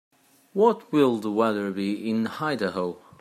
What will the weather be in Idaho?